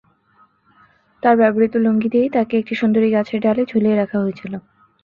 তাঁর ব্যবহৃত লুঙ্গি দিয়েই তাঁকে একটি সুন্দরী গাছের ডালে ঝুলিয়ে রাখা হয়েছিল।